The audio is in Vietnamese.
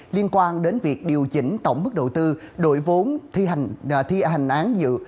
liên quan đến việc điều chỉnh tổng mức đầu tư đội vốn thi hành án dự